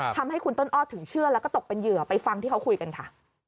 ทำให้คุณต้นอ้อถึงเชื่อแล้วก็ตกเป็นเหยื่อไปฟังที่เขาคุยกันค่ะ